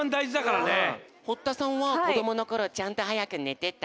堀田さんはこどものころちゃんとはやくねてた？